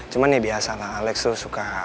cuman ya biasalah alex tuh suka